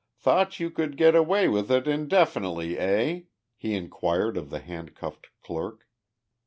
Thought you could get away with it indefinitely, eh?" he inquired of the handcuffed clerk.